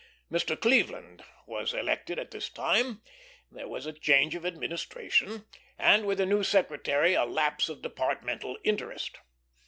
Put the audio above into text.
Mr. Cleveland was elected at this time; there was a change of administration, and with a new Secretary a lapse of Departmental interest.